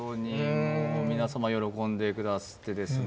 もう皆様喜んでくだすってですね。